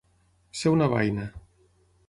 Ser una baina.